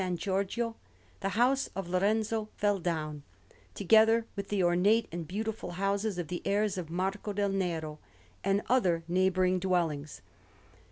Giorgio, the house of Lorenzo fell down, together with the ornate and beautiful houses of the heirs of Marco del Nero, and other neighbouring dwellings.